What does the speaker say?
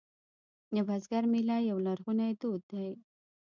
د بزګر میله یو لرغونی دود دی